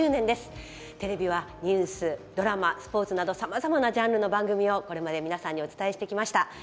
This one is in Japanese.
テレビはニュースドラマスポーツなどさまざまなジャンルの番組をこれまで皆さんにお伝えしてきました。